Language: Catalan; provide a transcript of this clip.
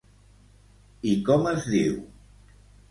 I com es diu?